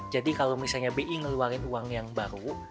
jadi kalau misalnya bi ngeluarin uang yang baru